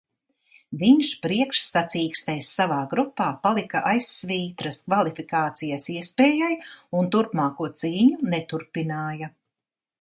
Viņš priekšsacīkstēs savā grupā palika aiz svītras kvalifikācijas iespējai un turpmāko cīņu neturpināja.